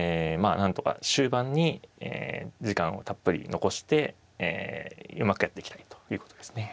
あなんとか終盤に時間をたっぷり残してうまくやっていきたいということですね。